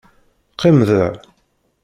Qqim da.